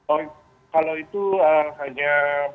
oh kalau itu hanya